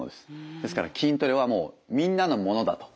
ですから筋トレはみんなのもの？